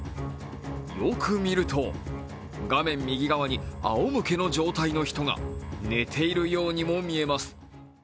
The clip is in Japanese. よく見ると、画面右側にあお向けの状態の人が寝ているようにも見えます。